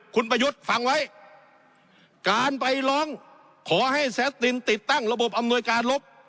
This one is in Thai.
คุณประยุทธ์ฟังไว้การไปร้องขอให้แซสตินติดตั้งระบบอำนวยการลบ